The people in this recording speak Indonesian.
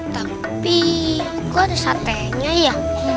tapi gue ada satenya ya